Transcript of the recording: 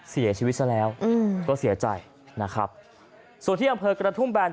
เสียชีวิตซะแล้วอืมก็เสียใจนะครับส่วนที่อำเภอกระทุ่มแบน